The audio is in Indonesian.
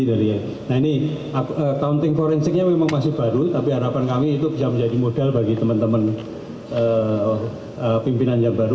nah ini accounting forensiknya memang masih baru tapi harapan kami itu bisa menjadi modal bagi teman teman pimpinan yang baru